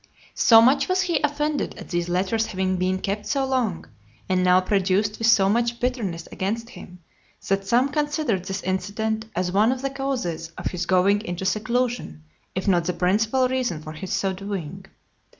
So much was he offended at these letters having been kept so long, and now produced with so much bitterness against him, that some considered this incident as one of the causes of his going into seclusion, if not the principal reason for his so doing.